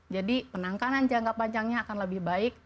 jadi penangkangan jangka panjangnya akan lebih baik